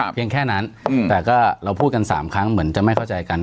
เพียงแค่นั้นแต่ก็เราพูดกัน๓ครั้งเหมือนจะไม่เข้าใจกัน